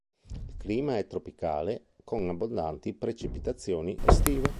Il clima è tropicale, con abbondanti precipitazioni estive.